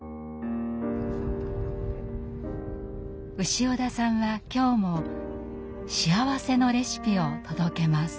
潮田さんは今日も幸せのレシピを届けます。